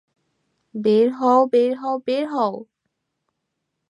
বের হও, বের হও, বের হও!